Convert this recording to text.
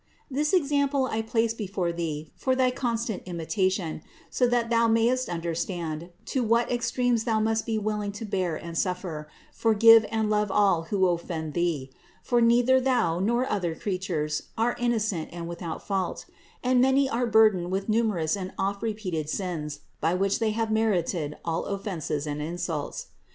629. This example I place before thee for thy con stant imitation, so that thou mayest understand to what extremes thou must be willing to bear and suffer, forgive and love all who offend thee ; for neither thou nor other creatures are innocent and without fault, and many are burdened with numerous and oft repeated sins, by which they have merited all offenses and insults.